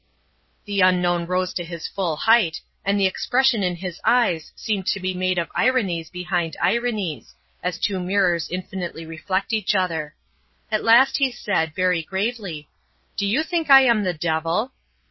The unknown rose to his full height, and the expression in his eyes seemed to be made of ironies behind ironies, as two mirrors infinitely reflect each other. At last he said, very gravely: "Do you think I am the devil?"